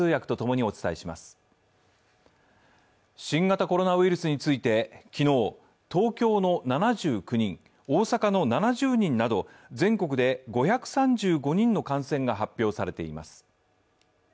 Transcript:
新型コロナウイルスについて昨日、東京の７９人、大阪の７０人など全国で５３５人の感染が発表されています。